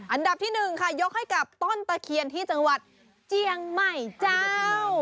อันดับที่๑ค่ะยกให้กับต้นตะเคียนที่จังหวัดเจียงใหม่เจ้า